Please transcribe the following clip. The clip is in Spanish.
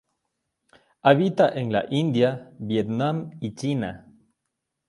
Habita en la India, Vietnam y China.